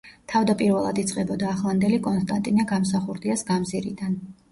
თავდაპირველად იწყებოდა ახლანდელი კონსტანტინე გამსახურდიას გამზირიდან.